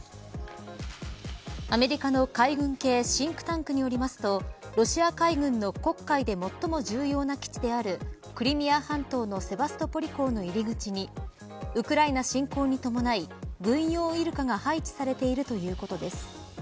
アメリカの海軍系シンクタンクによりますとロシア海軍の黒海で最も重要な基地であるクリミア半島のセバストポリ港の入り口にウクライナ侵攻に伴い軍用イルカが配置されているということです。